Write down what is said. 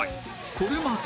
これまで